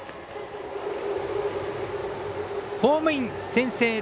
ホームイン、先制。